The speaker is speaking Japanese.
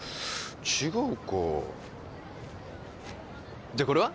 違うかじゃあこれは？